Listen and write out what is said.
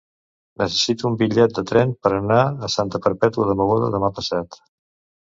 Necessito un bitllet de tren per anar a Santa Perpètua de Mogoda demà passat.